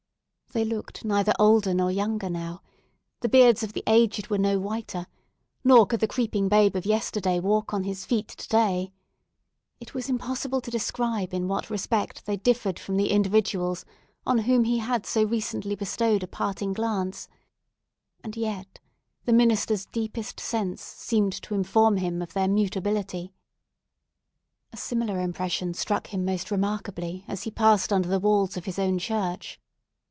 They looked neither older nor younger now; the beards of the aged were no whiter, nor could the creeping babe of yesterday walk on his feet today; it was impossible to describe in what respect they differed from the individuals on whom he had so recently bestowed a parting glance; and yet the minister's deepest sense seemed to inform him of their mutability. A similar impression struck him most remarkably as he passed under the walls of his own church.